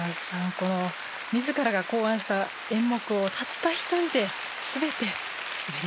この自らが考案した演目をたった一人で全て滑りきりました。